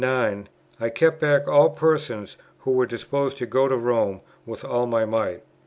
I kept back all persons who were disposed to go to Rome with all my might.